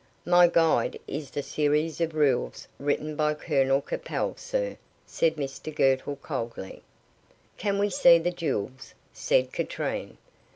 "My guide is the series of rules written by Colonel Capel, sir," said Mr Girtle, coldly. "Can we see the jewels?" said Katrine.